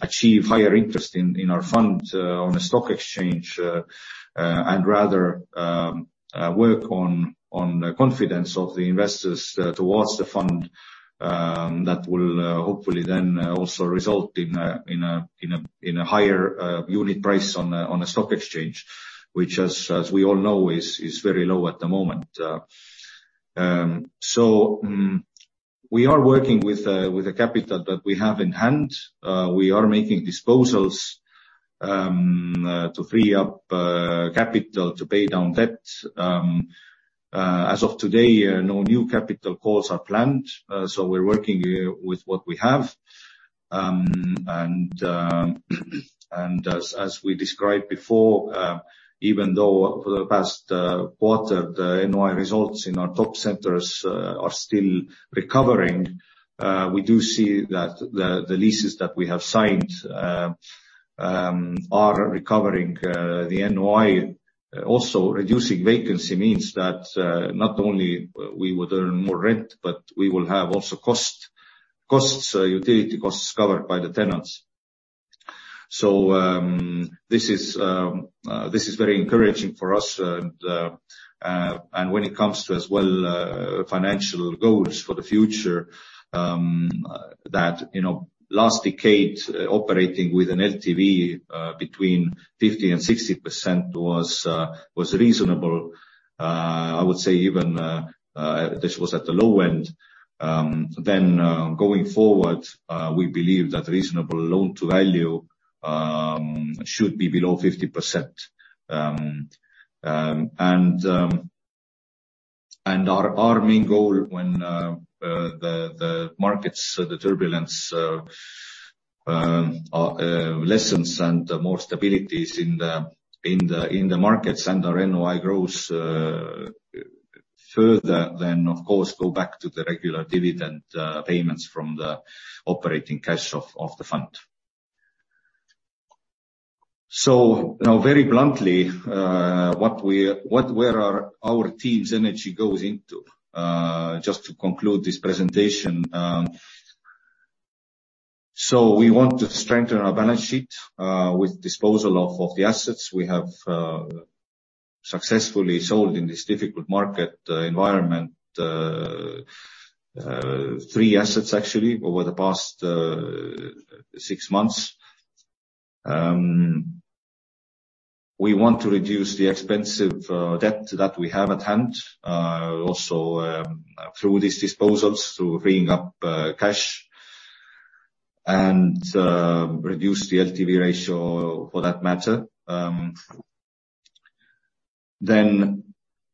achieve higher interest in our fund on the stock exchange, and rather work on the confidence of the investors towards the fund. That will hopefully then also result in a higher unit price on a stock exchange, which as we all know, is very low at the moment. We are working with the capital that we have in hand. We are making disposals to free up capital to pay down debt. As of today, no new capital calls are planned, we're working with what we have. As we described before, even though for the past quarter, the NOI results in our top centers are still recovering, we do see that the leases that we have signed are recovering the NOI. Also, reducing vacancy means that not only we would earn more rent, but we will have also utility costs covered by the tenants. This is very encouraging for us. And when it comes to as well, financial goals for the future, that, you know, last decade, operating with an LTV between 50% and 60% was reasonable. I would say even this was at the low end. Going forward, we believe that reasonable loan to value should be below 50%. Our main goal when the markets, the turbulence, lessens and more stability is in the markets and our NOI grows further, then, of course, go back to the regular dividend payments from the operating cash of the fund. Now, very bluntly, what where our team's energy goes into, just to conclude this presentation. We want to strengthen our balance sheet with disposal of the assets we have successfully sold in this difficult market environment, three assets actually, over the past six months. We want to reduce the expensive debt that we have at hand, also, through these disposals, through bringing up cash and reduce the LTV ratio for that matter.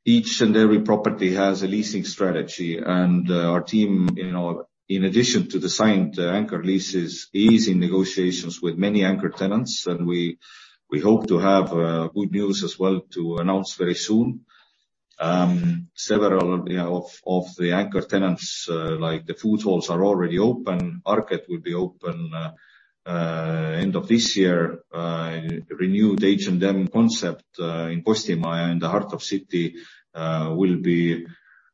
Each and every property has a leasing strategy, and our team, you know, in addition to the signed anchor leases, is in negotiations with many anchor tenants, and we hope to have good news as well to announce very soon. Several, you know, of the anchor tenants, like the food halls, are already open. ARKET will be open end of this year. Renewed H&M concept in Postimaja, in the heart of city, will be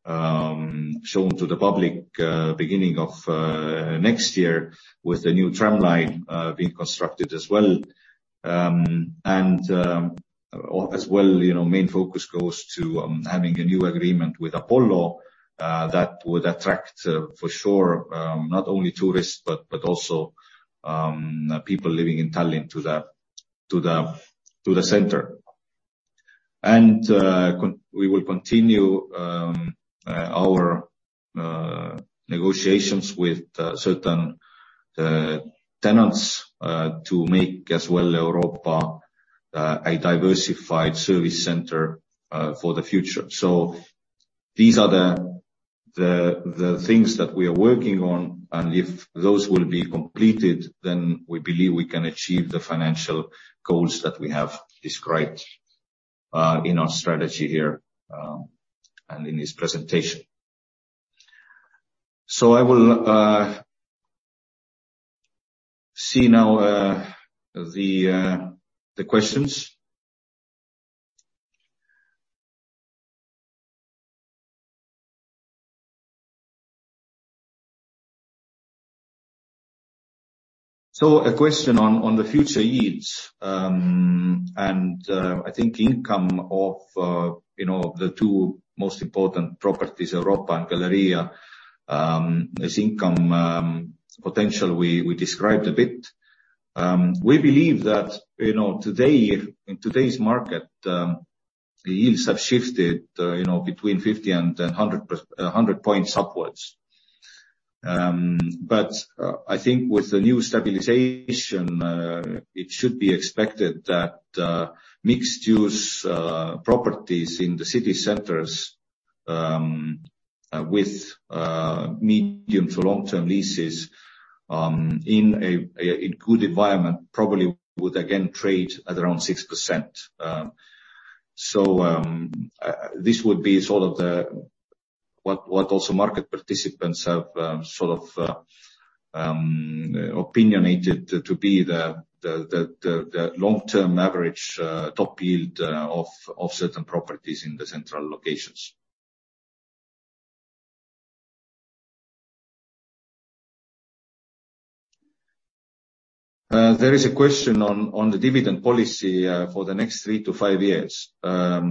shown to the public beginning of next year, with the new tramline being constructed as well. As well, you know, main focus goes to having a new agreement with Apollo that would attract for sure not only tourists, but also people living in Tallinn to the center. We will continue our negotiations with certain tenants to make as well Europa a diversified service center for the future. These are the things that we are working on, and if those will be completed, then we believe we can achieve the financial goals that we have described in our strategy here and in this presentation. I will... See now the questions. A question on the future yields. I think income of, you know, the two most important properties, Europa and Galerija, as income potential, we described a bit. We believe that, you know, today, in today's market, the yields have shifted, you know, between 50 and 100 points upwards. I think with the new stabilization, it should be expected that mixed use properties in the city centers, with medium to long-term leases, in good environment, probably would again trade at around 6%. This would be sort of the what also market participants have sort of opinionated to be the long-term average top yield of certain properties in the central locations. There is a question on the dividend policy for the next three to five years. As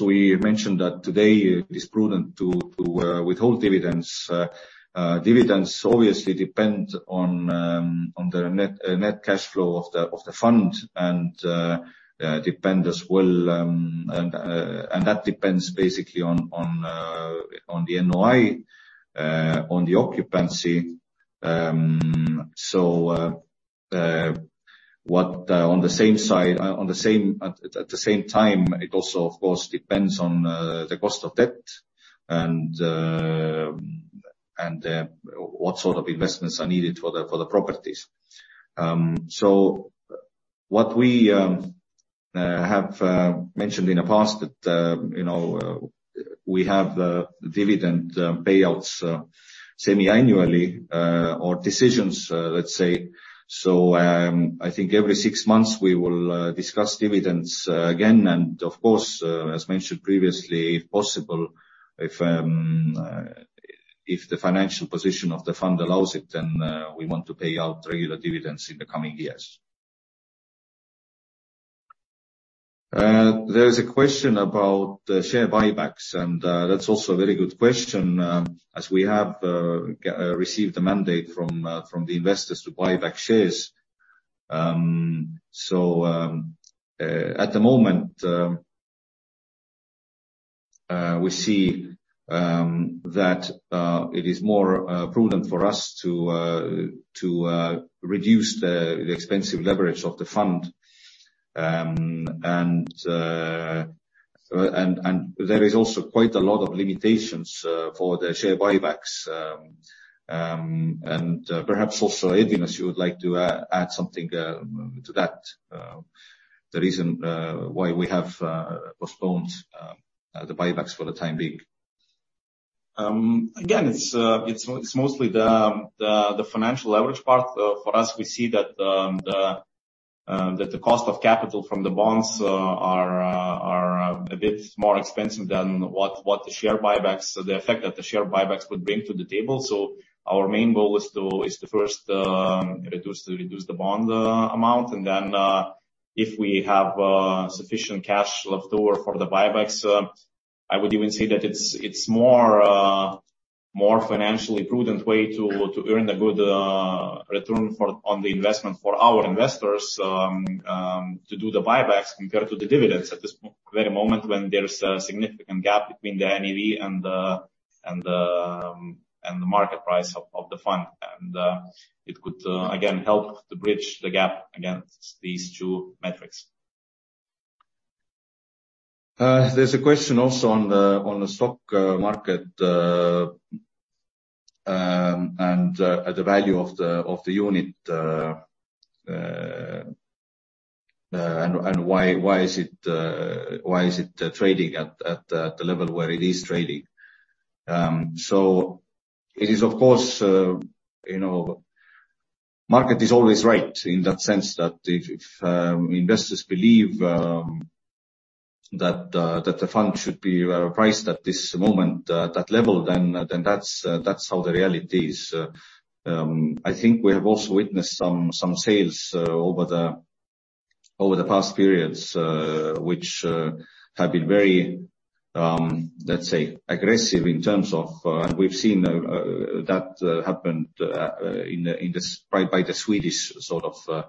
we mentioned that today, it is prudent to withhold dividends. Dividends obviously depend on the net cash flow of the fund and depend as well. That depends basically on the NOI, on the occupancy. What on the same side, at the same time, it also, of course, depends on the cost of debt and what sort of investments are needed for the properties. What we. I have mentioned in the past that, you know, we have the dividend payouts semiannually or decisions, let's say. I think every six months we will discuss dividends again, and of course, as mentioned previously, if possible, if the financial position of the fund allows it, then we want to pay out regular dividends in the coming years. There is a question about the share buybacks. That's also a very good question, as we have received a mandate from the investors to buy back shares. At the moment, we see that it is more prudent for us to reduce the expensive leverage of the fund. There is also quite a lot of limitations for the share buybacks. Perhaps also, Edvinas, you would like to add something to that, the reason why we have postponed the buybacks for the time being? Again, it's mostly the financial leverage part. For us, we see that the cost of capital from the bonds are a bit more expensive than what the share buybacks. The effect that the share buybacks would bring to the table. Our main goal is to first reduce the bond amount, and then if we have sufficient cash left over for the buybacks, I would even say that it's more financially prudent way to earn a good return for on the investment for our investors to do the buybacks compared to the dividends at this very moment when there's a significant gap between the NAV and the market price of the fund. It could again help to bridge the gap against these two metrics. Also on the stock market and the value of the unit and why is it trading at the level where it is trading? It is of course, you know, market is always right in that sense that if investors believe that the fund should be priced at this moment that level, then that's how the reality is. I think we have also witnessed some sales over the past periods which have been very, let's say, aggressive in terms of. We've seen that happen in the by the Swedish sort of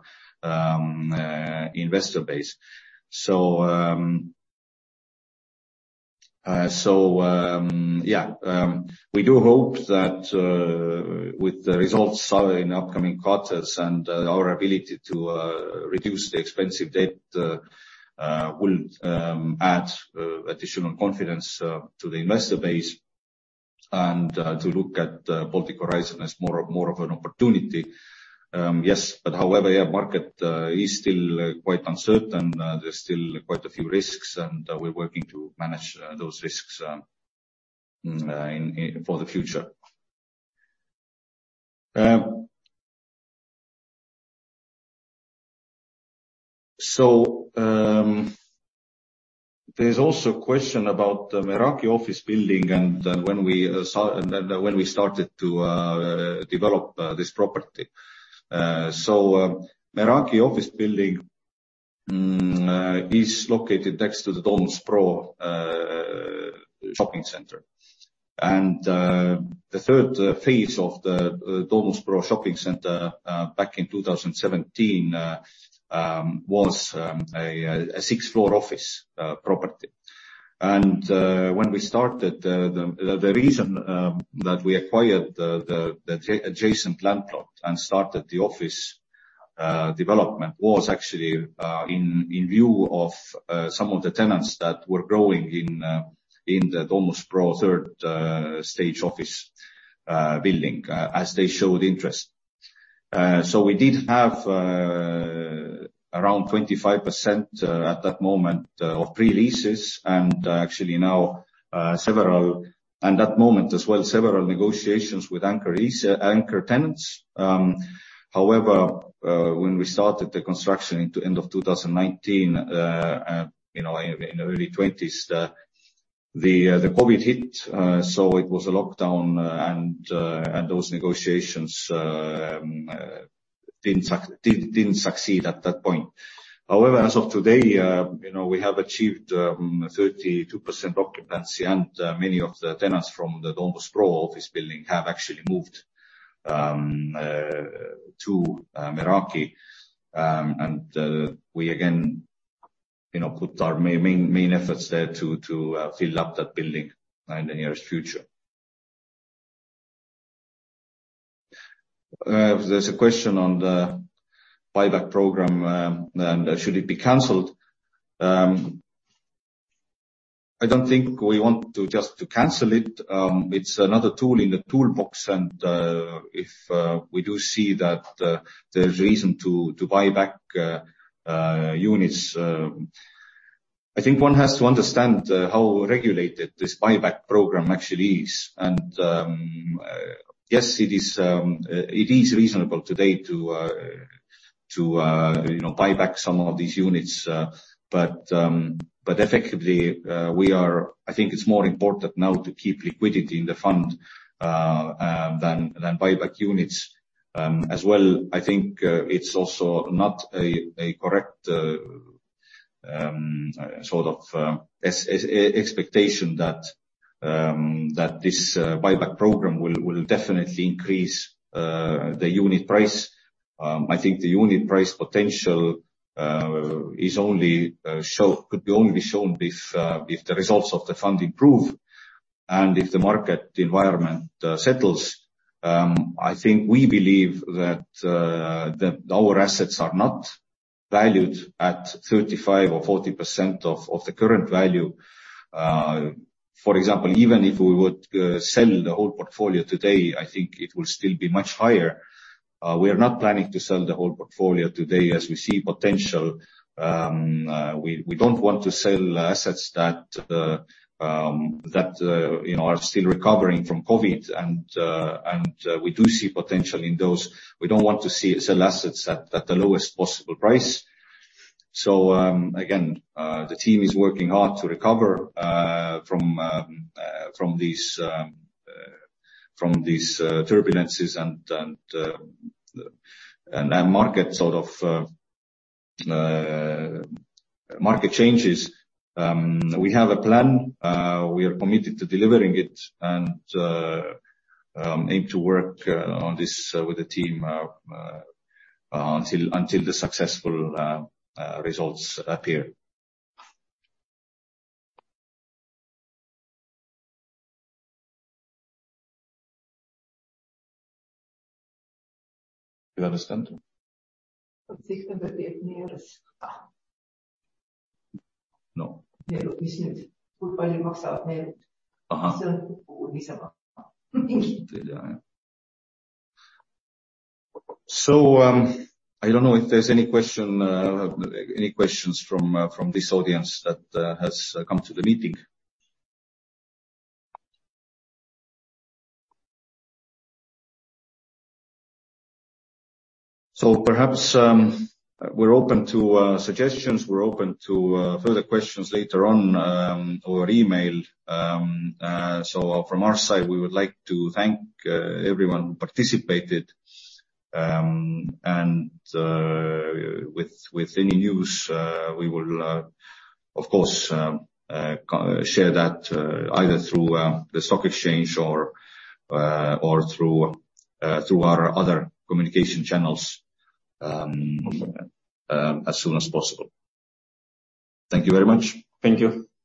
investor base Yeah. We do hope that with the results saw in the upcoming quarters and our ability to reduce the expensive debt will add additional confidence to the investor base, and to look at Baltic Horizon as more of an opportunity. However, yeah, market is still quite uncertain. There's still quite a few risks, and we're working to manage those risks in for the future. There's also a question about the Meraki office building and when we started to develop this property. Meraki office building, is located next to the Domus Pro shopping center. The third phase of the Domus Pro shopping center, back in 2017, was a six floor office property. When we started, the reason that we acquired the adjacent land plot and started the office development was actually in view of some of the tenants that were growing in the Domus Pro third stage office building as they showed interest. So we did have around 25% at that moment of pre-leases, and actually now and that moment as well, several negotiations with anchor tenants. However, when we started the construction into end of 2019, in the early 20s, the COVID hit, so it was a lockdown, and those negotiations didn't succeed at that point. However, as of today, we have achieved 32% occupancy, and many of the tenants from the Domus Pro office building have actually moved to Meraki. We again put our main efforts there to fill up that building in the nearest future. There's a question on the buyback program, and should it be canceled? I don't think we want to just to cancel it. It's another tool in the toolbox, and if we do see that there's reason to buy back units. I think one has to understand how regulated this buyback program actually is. Yes, it is reasonable today to, you know, buy back some of these units. But effectively, we are I think it's more important now to keep liquidity in the fund than buyback units. As well, I think it's also not a correct sort of expectation that this buyback program will definitely increase the unit price. I think the unit price potential could only be shown if the results of the fund improve and if the market environment settles. I think we believe that our assets are not valued at 35% or 40% of the current value. For example, even if we would sell the whole portfolio today, I think it will still be much higher. We are not planning to sell the whole portfolio today as we see potential. We don't want to sell assets that, you know, are still recovering from COVID, and we do see potential in those. We don't want to sell assets at the lowest possible price. Again, the team is working hard to recover from these turbulences and market sort of market changes. We have a plan, we are committed to delivering it, and aim to work on this with the team until the successful results appear. You understand? No. No, I miss it. Uh-huh. I don't know if there's any questions from this audience that has come to the meeting. Perhaps, we're open to suggestions. We're open to further questions later on or email. From our side, we would like to thank everyone who participated. With any news, we will, of course, share that either through the stock exchange or through our other communication channels as soon as possible. Thank you very much. Thank you.